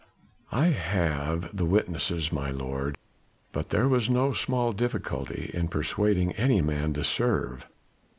"I have the witnesses, my lord; but there was no small difficulty in persuading any man to serve.